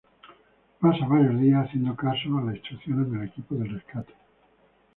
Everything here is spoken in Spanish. Pasa varios días haciendo caso a las instrucciones del equipo del rescate.